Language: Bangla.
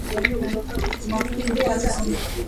আমি যথেষ্ট শক্তিশালী নই, বুড়ো হয়ে গেছি।